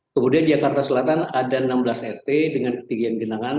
kemudian jakarta selatan ada enam belas rt dengan ketinggian genangan